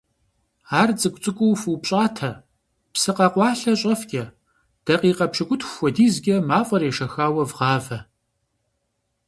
Ар цӀыкӀу-цӀыкӀуу фупщӀатэ, псы къэкъуалъэ щӀэфкӀэ, дакъикъэ пщыкӏутху хуэдизкӀэ мафӀэр ешэхауэ вгъавэ.